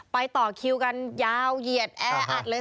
ต่อคิวกันยาวเหยียดแออัดเลย